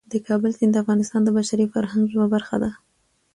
د کابل سیند د افغانستان د بشري فرهنګ یوه برخه ده.